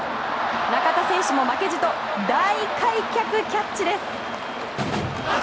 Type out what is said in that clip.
中田選手も負けじと大開脚キャッチです！